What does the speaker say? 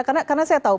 karena saya tahu